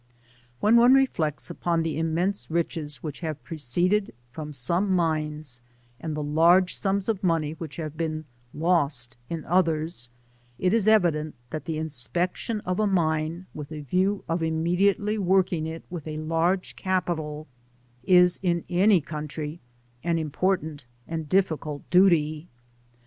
When one reflects upon the immense riches which have proceeded from some mines^ and the large sums of money which have been lost in others, it is evident that the inspection of a mine, with a view of immediately working it with a large capital, is in any country an important and difficult duty.